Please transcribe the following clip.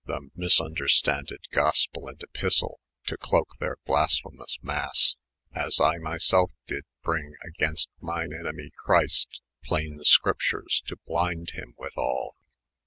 he misnnderstaiided Grospell & Epistell to cloke their blasphemoiiB Masse, as I myself dyd bring gainst myne enemy Christ) playn scrip tnres, to blynde him with all.